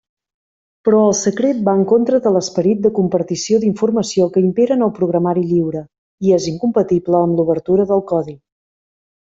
Però el secret va en contra de l'esperit de compartició d'informació que impera en el programari lliure, i és incompatible amb l'obertura del codi.